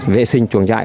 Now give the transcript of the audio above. vệ sinh chuồng trại